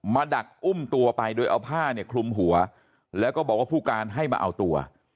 ดักอุ้มตัวไปโดยเอาผ้าเนี่ยคลุมหัวแล้วก็บอกว่าผู้การให้มาเอาตัว